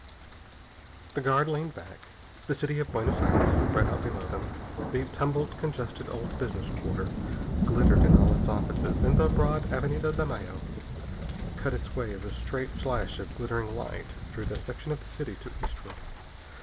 The guard leaned back. The city of Buenos Aires spread out below them. The tumbled, congested old business quarter glittered in all its offices, and the broad Avenida de Mayo cut its way as a straight slash of glittering light through the section of the city to eastward.